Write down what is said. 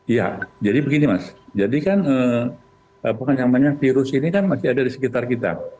iya jadi begini mas jadi kan virus ini kan masih ada di sekitar kita